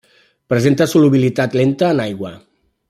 Presenta solubilitat lenta en aigua.